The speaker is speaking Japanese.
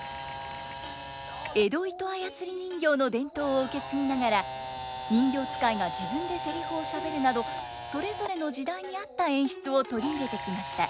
江戸糸あやつり人形の伝統を受け継ぎながら人形遣いが自分でセリフをしゃべるなどそれぞれの時代に合った演出を取り入れてきました。